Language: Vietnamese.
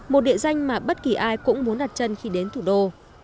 một địa danh mà bất kỳ ai cũng muốn đặt chân khi đến thủ đô